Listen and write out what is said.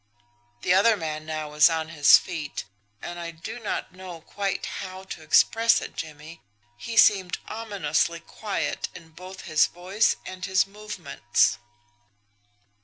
"The other man now was on his feet and, I do not know quite how to express it, Jimmie, he seemed ominously quiet in both his voice and his movements.